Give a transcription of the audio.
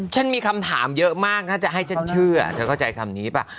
มีคำถามเยอะมากถ้าจะให้ฉันเชื่อเธอเข้าใจคำนี้ป่ะ